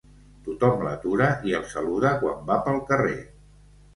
Tothom l'atura i el saluda quan va pel carrer.